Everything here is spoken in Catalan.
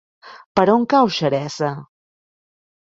Per on cau Xeresa?